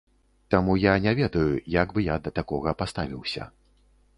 Таму я не ведаю, як бы я да такога паставіўся.